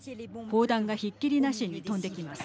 砲弾がひっきりなしに飛んできます。